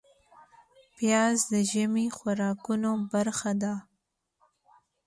پیاز د ژمي خوراکونو برخه ده